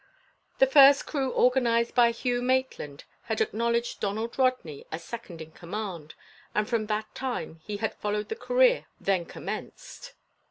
The first crew organized by Hugh Maitland had acknowledged Donald Rodney as second in command, and from that time he had followed the career then commenced.